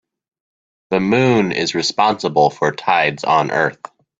The moon is responsible for tides on earth.